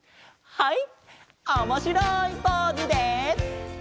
はい！